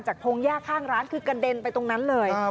จากทงแย่ข้างร้านก็คือกัดเดนไปตรงนั้นเลย